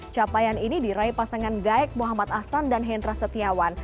capaian ini diraih pasangan gaek muhammad ahsan dan hendra setiawan